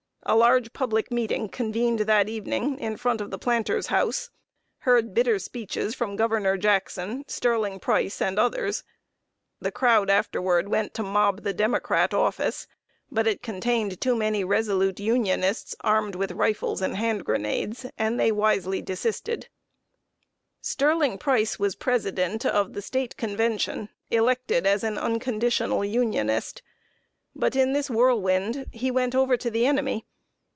A large public meeting convened that evening in front of the Planter's House heard bitter speeches from Governor Jackson, Sterling Price, and others. The crowd afterward went to mob The Democrat office, but it contained too many resolute Unionists, armed with rifles and hand grenades, and they wisely desisted. [Sidenote: STERLING PRICE JOINS THE REBELS.] Sterling Price was president of the State Convention elected as an Unconditional Unionist. But, in this whirlwind, he went over to the enemy.